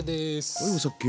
はいお酒。